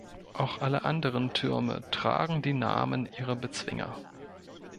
Auch alle anderen Türme tragen die Namen ihrer Bezwinger.